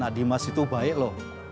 nah dimas itu baik loh